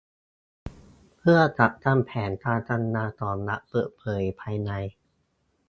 เพื่อจัดทำแผนการทำงานของรัฐเปิดเผยภายใน